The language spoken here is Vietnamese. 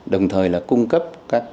đồng thời cung cấp